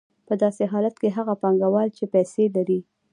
په داسې حالت کې هغه پانګوال چې پیسې لري